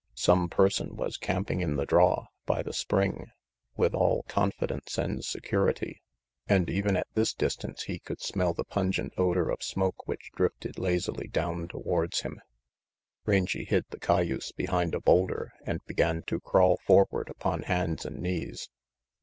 Some person was camping in the draw, by the spring, with all confi dence and security, and even at this distance he 70 RANGY PETE 71 could smell the pungent odor of smoke which drifted lazily down towards him. Rangy hid the cayuse behind a boulder and began to crawl forward upon hands and knees.